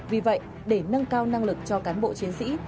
vì vậy để nâng cao năng lực cho cán bộ chiến sĩ